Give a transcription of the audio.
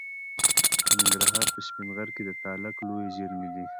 د ننګرهار په سپین غر کې د تالک لویې زیرمې دي.